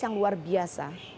yang luar biasa